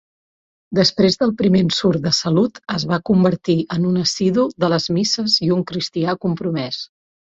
Després del primer ensurt de salut, es va convertir en un assidu de les misses i un cristià compromès.